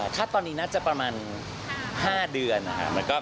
ถ้าตอนนี้น่าจะประมาณ๕เดือนนะครับ